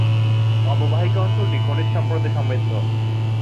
অববাহিকা অঞ্চলটি খনিজ সম্পদে সমৃদ্ধ।